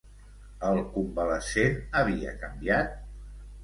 El convalescent havia canviat?